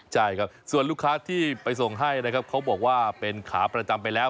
ใช่ครับส่วนลูกค้าที่ไปส่งให้นะครับเขาบอกว่าเป็นขาประจำไปแล้ว